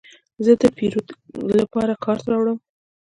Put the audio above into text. زه د پیرود لپاره کارت کاروم.